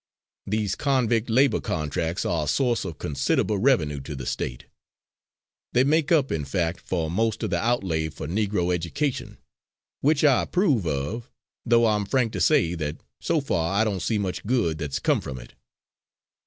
These convict labour contracts are a source of considerable revenue to the State; they make up, in fact, for most of the outlay for Negro education which I approve of, though I'm frank to say that so far I don't see much good that's come from it.